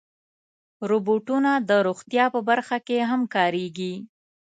روبوټونه د روغتیا په برخه کې هم کارېږي.